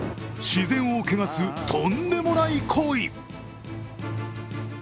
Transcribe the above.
自然を汚す、とんでもない行為。